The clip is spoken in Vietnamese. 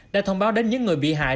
đã thông báo đến những người bị hại